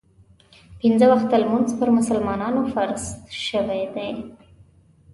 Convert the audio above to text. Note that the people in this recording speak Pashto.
پنځه وخته لمونځ پر مسلمانانو فرض شوی دی.